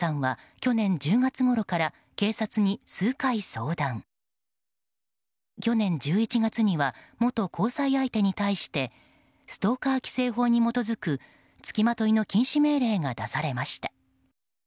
去年１１月には元交際相手に対してストーカー規制法に基づくつきまといの禁止命令が出されました。